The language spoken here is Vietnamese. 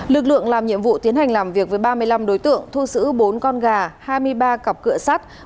lực lượng làm nhiệm vụ tiến hành làm việc với ba mươi năm đối tượng thu giữ bốn con gà hai mươi ba cặp cửa sắt